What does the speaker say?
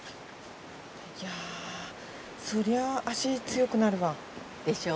いやそりゃ脚強くなるわ。でしょう？